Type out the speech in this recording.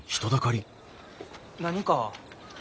何か？